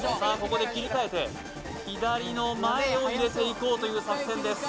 ここで切り替えて左の前を入れていこうという作戦です